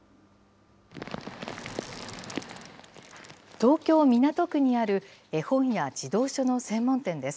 東京・港区にある絵本や児童書の専門店です。